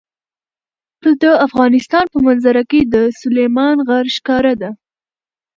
د افغانستان په منظره کې سلیمان غر ښکاره ده.